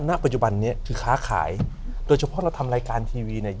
ณปัจจุบันนี้คือค้าขายโดยเฉพาะเราทำรายการทีวีเนี่ย